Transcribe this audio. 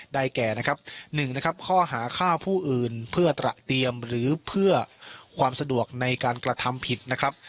แก่นะครับ๑นะครับข้อหาฆ่าผู้อื่นเพื่อตระเตรียมหรือเพื่อความสะดวกในการกระทำผิดนะครับ